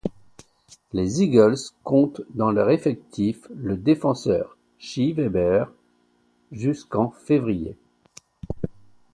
Les Eagles comptent dans leur effectif le défenseur Shea Weber jusqu'en février.